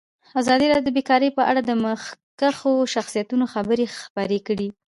ازادي راډیو د بیکاري په اړه د مخکښو شخصیتونو خبرې خپرې کړي.